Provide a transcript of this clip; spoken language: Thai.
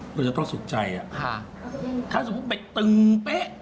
เราจะต้องสุขใจอ่ะค่ะถ้าสมมุติไปตึงเป๊ะ